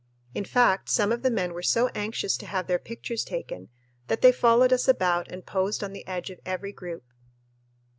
In fact, some of the men were so anxious to have their pictures taken that they followed us about and posed on the edge of every group.